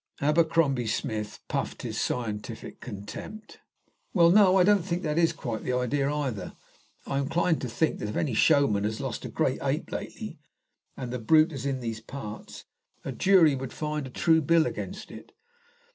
Abercrombie Smith puffed his scientific contempt. "Well, no; I don't think that is quite the idea, either. I am inclined to think that if any showman has lost a great ape lately, and the brute is in these parts, a jury would find a true bill against it.